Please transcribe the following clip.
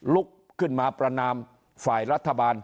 ลุกขึ้นมาประนามฝ่ายรัฐบาล